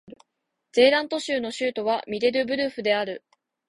ゼーラント州の州都はミデルブルフである